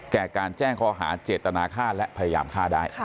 แก่การแจ้งข้อหาเจตนาฆ่าและพยายามฆ่าได้